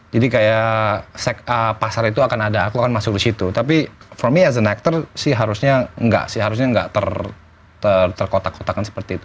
jadi kayak pasar itu akan ada aku akan masuk disitu tapi for me as an actor sih harusnya gak sih harusnya gak terkotak kotakan seperti itu